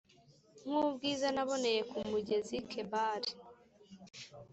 nk ubwiza naboneye ku mugezi Kebari